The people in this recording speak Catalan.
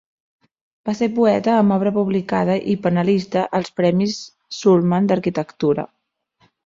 Va ser poeta amb obra publicada i panelista als Premis Sulman d'Arquitectura.